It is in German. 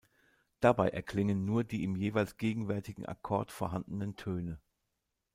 Dabei erklingen nur die im jeweils gegenwärtigen Akkord vorhandenen Töne.